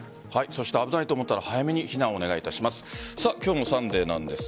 そして危ないと思ったら早めに避難をお願いします。